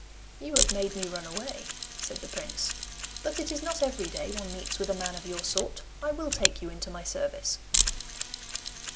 'You have made me run away,' said the prince. 'But it is not every day one meets with a man of your sort. I will take you into my service.